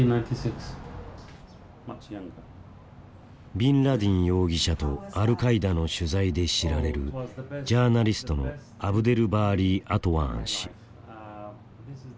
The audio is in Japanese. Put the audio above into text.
ビンラディン容疑者とアルカイダの取材で知られるジャーナリストのアブデルバーリー・アトワーン氏。